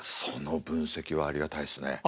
その分析はありがたいっすね。